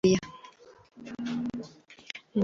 En ocasiones caza durante el día.